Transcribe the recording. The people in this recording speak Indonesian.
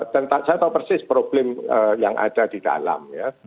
dan saya tahu persis problem yang ada di dalam ya